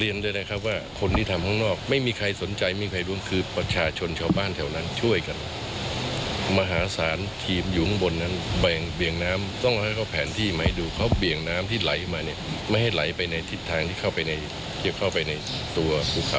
อย่างที่ใดเยูนเถอะที่สุด